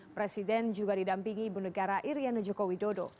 presiden juga didampingi ibu negara iryana jokowi dodo